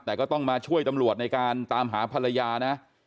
แต่ก็ต้องมาช่วยตำรวจในการตามหาภรรยานะ